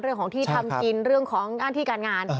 เรื่องของที่ทำกินเรื่องของหน้าที่การงาน